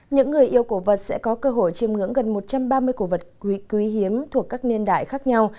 những người yêu cổ vật sẽ có cơ hội chiêm ngưỡng gần một trăm ba mươi cổ vật quý hiếm thuộc các niên đại khác nhau